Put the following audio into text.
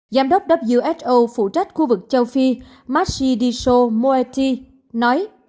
giám đốc who phụ trách khu vực châu phi mashi diso moeti nói